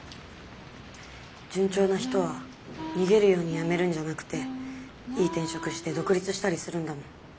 順調な人は逃げるように辞めるんじゃなくていい転職して独立したりするんだもん。